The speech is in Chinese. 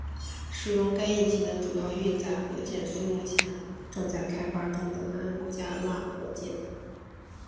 使用该引擎的主要运载火箭是目前正在开发中的安加拉火箭。